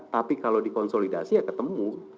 tapi kalau dikonsolidasi ya ketemu